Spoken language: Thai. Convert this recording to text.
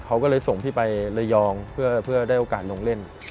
เขาก็เลยส่งพี่ไประยองเพื่อได้โอกาสลงเล่น